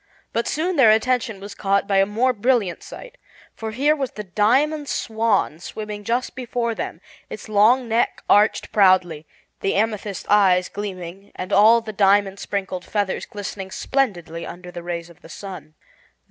But soon their attention was caught by a more brilliant sight, for here was the Diamond Swan swimming just before them, its long neck arched proudly, the amethyst eyes gleaming and all the diamond sprinkled feathers glistening splendidly under the rays of the sun.